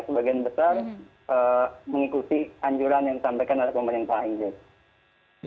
sebagian besar mengikuti anjuran yang disampaikan oleh pemerintah inggris